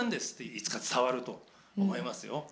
いつか伝わると思いますよ。